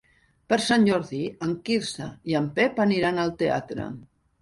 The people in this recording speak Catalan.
Per Sant Jordi en Quirze i en Pep aniran al teatre.